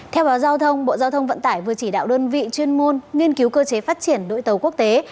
theo báo giao thông bộ giao thông vận tải vừa chỉ đạo đơn vị chuyên môn nghiên cứu cơ chế phát triển đội tàu quốc tế